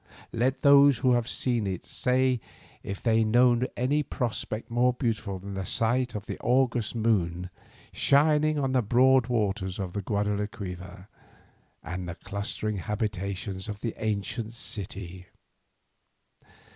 Let those who have seen it say if they know any prospect more beautiful than the sight of the August moon shining on the broad waters of the Guadalquivir and the clustering habitations of the ancient city.